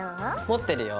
持ってるよ。